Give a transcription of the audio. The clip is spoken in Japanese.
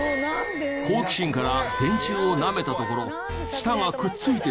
好奇心から電柱をなめたところ舌がくっついてしまった。